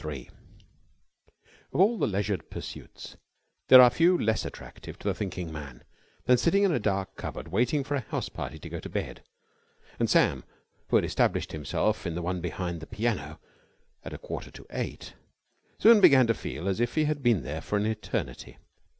3 Of all the leisured pursuits, there are few less attractive to the thinking man than sitting in a dark cupboard waiting for a house party to go to bed: and Sam, who had established himself in the one behind the piano at a quarter to eight, soon began to feel as if he had been there for an eternity.